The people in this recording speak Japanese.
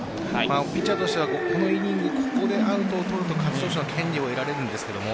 ピッチャーとしてはこのイニングここでアウトを取ると勝ち投手の権利を取れるんです。